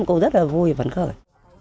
cô rất là vui vấn khởi